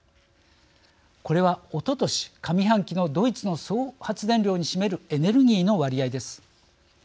これはおととし上半期のドイツの総発電量に占めるエネルギーの割合です。